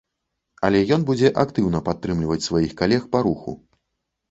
Але ён будзе актыўна падтрымліваць сваіх калег па руху.